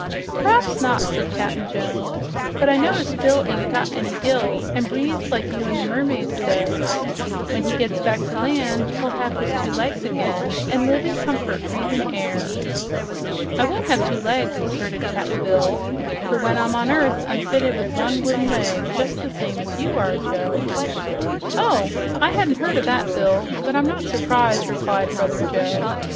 "P'raps not," said Cap'n Joe, "but I notice Bill ain't got any gills an' breathes like you an' the mermaids does. When he gets back to land, he'll have his two legs again an' live in comfort breathin' air." "I won't have two legs," asserted Cap'n Bill, "for when I'm on earth I'm fitted with one wooden leg, jes' the same as you are, Joe." "Oh, I hadn't heard o' that, Bill, but I'm not surprised," replied Brother Joe.